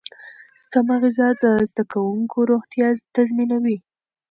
سمه غذا د زده کوونکو روغتیا تضمینوي.